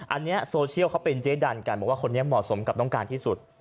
อันนี้โซเชียลเขาเป็นเจ๊ดันกันบอกว่าคนนี้เหมาะสมกับต้องการที่สุด